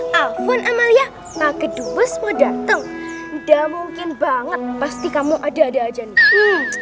nah alfon amalia pak kedubes mau datang udah mungkin banget pasti kamu ada ada aja nih